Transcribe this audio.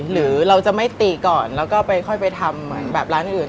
หรือเราจะไม่ตีก่อนแล้วก็ไปค่อยไปทำเหมือนแบบร้านอื่น